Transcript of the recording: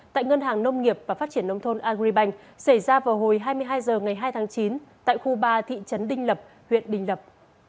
tại ngân hàng nông nghiệp và phát triển nông thôn agribank xảy ra vào hồi hai mươi hai h ngày hai tháng chín tại khu ba thị trấn đình lập huyện đình lập